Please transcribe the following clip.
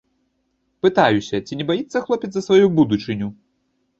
Пытаюся, ці не баіцца хлопец за сваю будучыню.